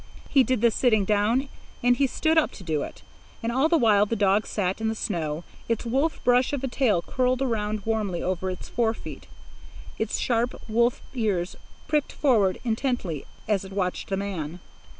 He did this sitting down, and he stood up to do it; and all the while the dog sat in the snow, its wolf brush of a tail curled around warmly over its forefeet, its sharp wolf ears pricked forward intently as it watched the man.